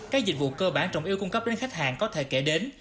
các dịch vụ cơ bản trọng yêu cung cấp đến khách hàng có thể kể đến